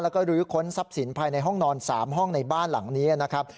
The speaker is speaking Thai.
แล้วก็ลื้อค้นทรัพย์สินภายในห้องนอน๓ห้องในบ้านหลังนี้นะครับ